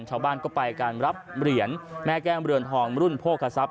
ชาวบ้านก็ไปการรับเหรียญแม่แก้มเรือนทองรุ่นโภคทรัพ